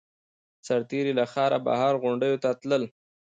سرتېري له ښاره بهر غونډیو ته تلل